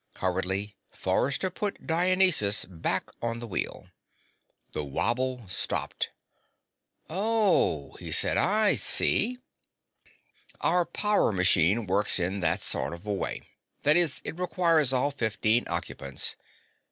Hurriedly, Forrester put Dionysus back on the wheel. The wobble stopped. "Oh," he said. "I see." "Our power machine works in that sort of way. That is, it requires all fifteen occupants.